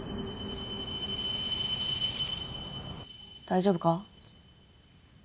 大丈夫か？